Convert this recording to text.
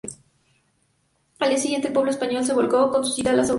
Al día siguiente, el pueblo español se volcó con su cita a las urnas.